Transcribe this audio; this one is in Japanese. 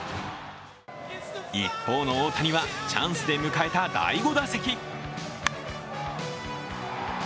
一方の大谷は、チャンスで迎えた第５打席。